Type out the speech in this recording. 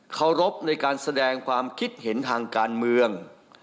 ภักดิ์เพื่อไทยข้อรบในการแสดงความคิดเห็นทางการเมือง